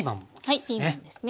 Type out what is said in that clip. はいピーマンもですね。